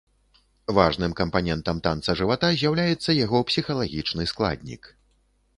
Важным кампанентам танца жывата з'яўляецца яго псіхалагічны складнік.